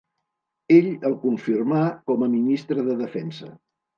Ell el confirmà com a ministre de defensa.